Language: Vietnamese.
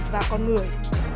và con người